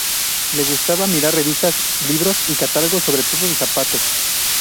Le gustaba mirar revistas, libros y catálogos, sobre todo de zapatos.